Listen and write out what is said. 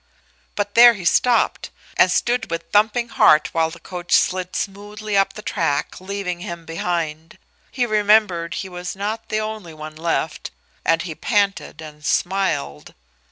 But there he stopped and stood with thumping heart while the coaches slid smoothly up the track, leaving him behind. He remembered he was not the only one left, and he panted and smiled.